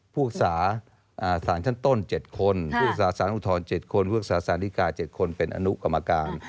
พวกศาษณ์ชั้นต้นเจ็ดคนพวกศาสตร์สานอุทธรณ์เจ็ดคนพวกศาสตร์ศาลิกาเจ็ดคนเป็นอนุกรรมการ